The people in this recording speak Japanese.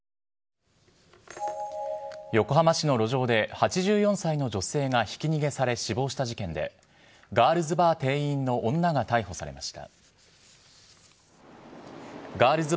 横浜市の路上で、８４歳の女性がひき逃げされ死亡した事件で、ガールズバー店員の女が逮捕されました。